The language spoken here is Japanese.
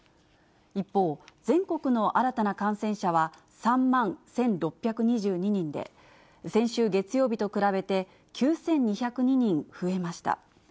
一方、全国の新たな感染者は３万１６２２人で、先週月曜日と比べて９２０２人増えました。